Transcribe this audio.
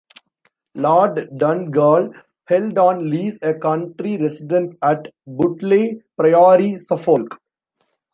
Lord Donegall held on lease a country residence at Butley Priory, Suffolk.